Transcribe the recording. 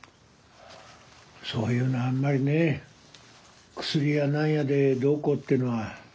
そういうのはあんまりね薬や何やでどうこうっていうのは。